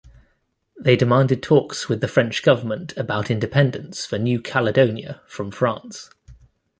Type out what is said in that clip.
They demanded talks with the French government about independence for New Caledonia from France.